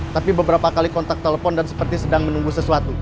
tapi beberapa kali kontak telepon dan seperti sedang menunggu sesuatu